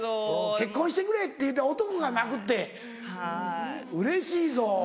結婚してくれって言って男が泣くってうれしいぞ。